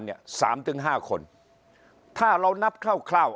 เนี่ยสามถึงห้าคนถ้าเรานับคร่าว